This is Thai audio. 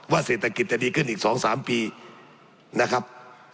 เศรษฐกิจจะดีขึ้นอีก๒๓ปีนะครับ